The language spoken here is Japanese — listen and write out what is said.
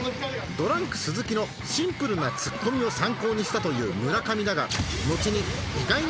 ドランク鈴木のシンプルなツッコミを参考にしたという村上だが「あいつ」。って言われて。